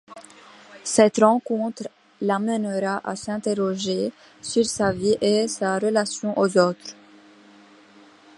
Cette rencontre l’amènera à s’interroger sur sa vie et sa relation aux autres.